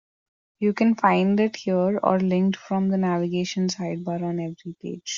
You can find it here, or linked from the navigation sidebar on every page.